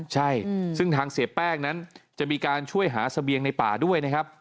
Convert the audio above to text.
ใช่ซึ่งทางเสียแป้งนั้นจะมีการช่วยหาเสบียงในป่าด้วยนะครับ